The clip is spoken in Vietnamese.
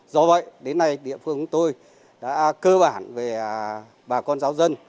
do vậy đến nay địa phương của tôi đã cơ bản về bà con giáo dân